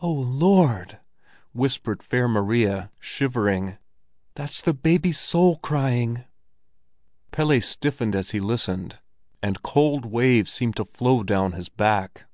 "Oh, Lord!" whispered Fair Maria, shivering. "That's the baby's soul crying!" Pelle stiffened as he listened, and cold waves seemed to flow down his back.